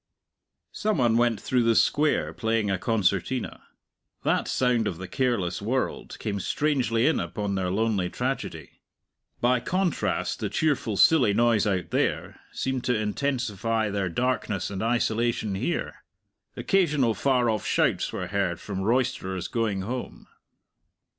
Some one went through the Square playing a concertina. That sound of the careless world came strangely in upon their lonely tragedy. By contrast the cheerful, silly noise out there seemed to intensify their darkness and isolation here. Occasional far off shouts were heard from roisterers going home.